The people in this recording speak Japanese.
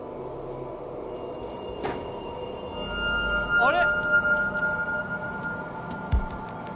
「あれ？」